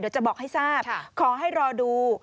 เดี๋ยวจะบอกให้ทราบขอให้รอดู